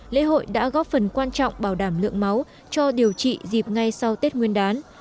lễ hội đã góp phần quan trọng bảo đảm lượng máu cho điều trị dịp ngay sau tết nguyên đán